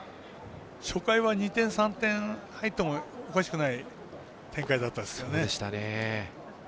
初回は２点３点入ってもおかしくない展開だったですよね。